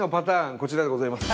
こちらでございます。